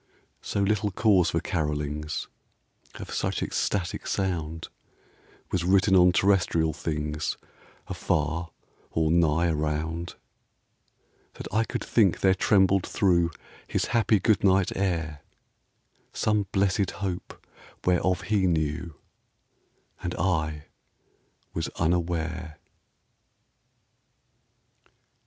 So little cause for carolings Of such ecstatic sound Was written on terrestrial things Afar or nigh around, That I could think there trembled through His happy good night air Some blessed Hope, whereof he knew, And I was unaware.